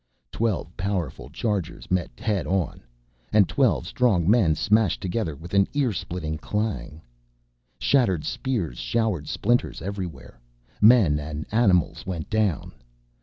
Twelve powerful chargers met head on, and twelve strong men smashed together with an ear splitting CLANG! Shattered spears showered splinters everywhere. Men and animals went down.